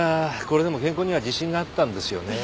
これでも健康には自信があったんですよね。